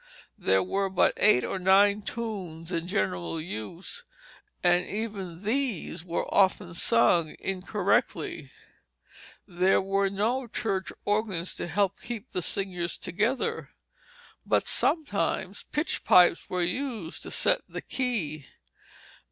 There were but eight or nine tunes in general use, and even these were often sung incorrectly. There were no church organs to help keep the singers together, but sometimes pitch pipes were used to set the key.